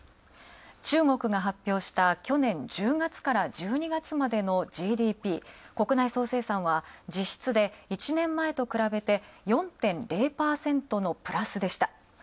中国が発表した去年１０月から１２月までのＧＤＰ＝国内総生産は、実質で１年前と比べて４．０％のプラスでした。